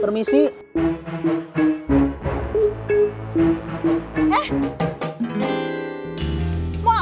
pekas masuk sulokan